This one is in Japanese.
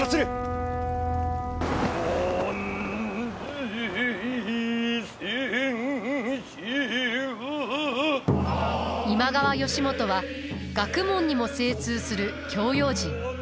万歳千秋今川義元は学問にも精通する教養人。